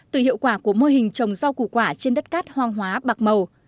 từ hiệu quả của mô hình trồng rau củ quả trên đất cát hoang hóa bạc màu